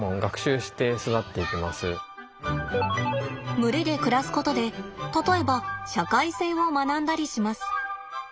群れで暮らすことで例えば社会性を学んだりします。